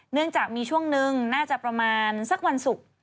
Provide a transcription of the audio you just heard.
เนื่องจากมีช่วงนึงน่าจะประมาณสักวันศุกร์